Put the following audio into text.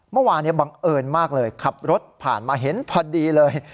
เมื่อวานบังเอิญมากเลยขับรถผ่านมาเห็นพอดีเลย